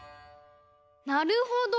なるほど。